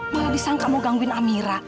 malah disangka mau gangguin amira